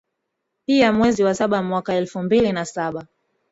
pia mwezi wa saba mwaka elfu mbili na saba